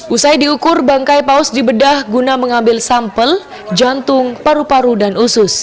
usai diukur bangkai paus dibedah guna mengambil sampel jantung paru paru dan usus